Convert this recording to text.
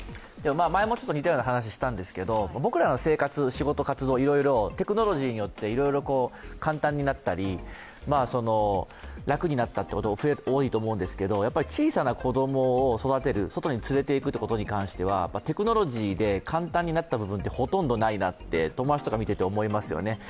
前も似たような話をしたんですけど僕らの生活、仕事、活動、テクノロジーによっていろいろ簡単になったり、楽になったということが多いと思うんですけど、小さな子供を育てる外に連れて行くということに関してはテクノロジーで簡単になったことってほとんどないなって、友達とか見てて思いますよね。